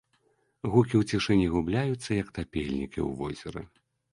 Гукі ў цішыні губляюцца, як тапельнікі ў возеры.